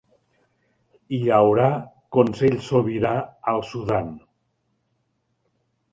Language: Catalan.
Hi haurà consell sobirà al Sudan